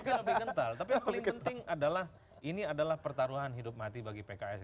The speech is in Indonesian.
lebih kental tapi yang paling penting adalah ini adalah pertaruhan hidup mati bagi pks